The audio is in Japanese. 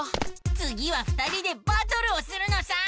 つぎは２人でバトルをするのさ！